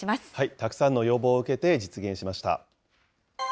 たくさんの要望を受けて実現しました。